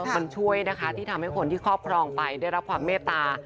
มันช่วยนะคะที่ทำให้คนที่ครอบครองไปได้รับความเมตตา